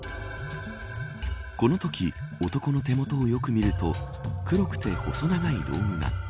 このとき男の手元をよく見ると黒くて細長い道具が。